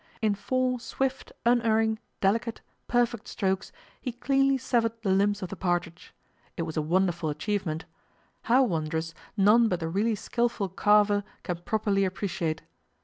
In four swift, unerring, delicate, perfect strokes he cleanly severed the limbs of the partridge. It was a wonderful achievement how wondrous none but the really skilful carver can properly appreciate.